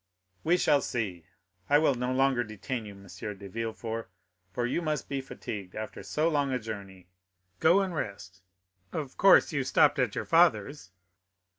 "We shall see. I will no longer detain you, M. de Villefort, for you must be fatigued after so long a journey; go and rest. Of course you stopped at your father's?"